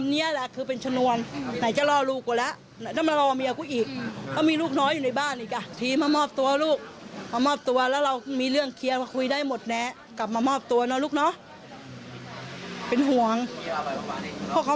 เอาเมียมึงกูจะรอให้แหลกเลยเมียมึงอ่ะ